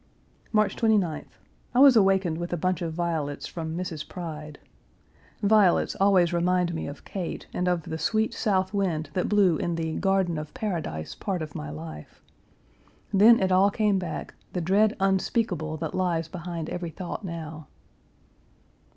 March 29th. I was awakened with a bunch of violets from Mrs. Pride. Violets always remind me of Kate and of the sweet South wind that blew in the garden of paradise part of my life. Then, it all came back: the dread unspeakable that lies behind every thought now.